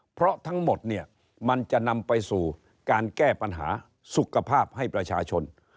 เพราะทั้งหมดเนี่ยมันจะนำไปสู่การแก้ปัญหาสุขภาพให้ประชาชน